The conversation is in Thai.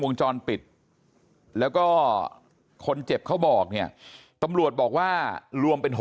วงจรปิดแล้วก็คนเจ็บเขาบอกเนี่ยตำรวจบอกว่ารวมเป็น๖